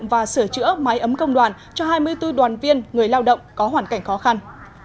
và sửa chữa máy ấm công đoàn cho hai mươi bốn đoàn viên người lao động có hoàn cảnh khó khăn